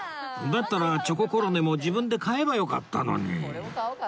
だったらチョココロネも自分で買えばよかったのに